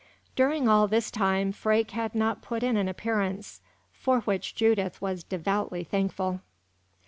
During all this time Freke had not put in an appearance, for which Judith was devoutly thankful.